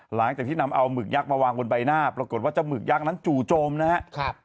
หลังจากที่นำเอาหมึกยักษ์มาวางบนใบหน้าปรากฏว่าเจ้าหมึกยักษ์นั้นจู่โจมนะครับ